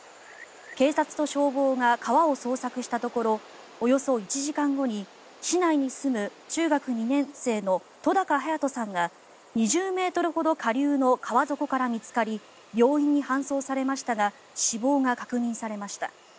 警察と消防が川を捜索したところおよそ１時間後に市内に住む中学２年生の戸高颯斗さんが２０ｍほど下流の川底から見つかり病院に搬送されましたが死亡が確認されました。